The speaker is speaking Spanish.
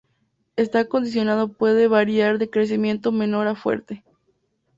Esta condición puede variar de crecimiento menor a fuerte.